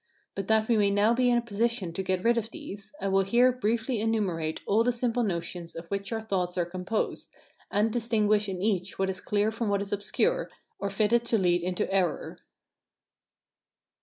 But that we may now be in a position to get rid of these, I will here briefly enumerate all the simple notions of which our thoughts are composed, and distinguish in each what is clear from what is obscure, or fitted to lead into error.